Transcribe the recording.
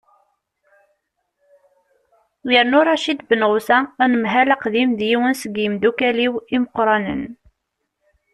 yernu racid benɣusa anemhal aqdim d yiwen seg yimeddukkal-iw imeqqranen